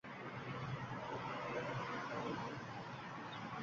«Fikr yuritamiz» dedig-u, aslida, savolimizga javoblardan biri, deyarli «yer yuzasida».